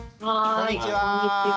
こんにちは。